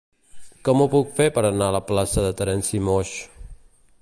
Com ho puc fer per anar a la plaça de Terenci Moix?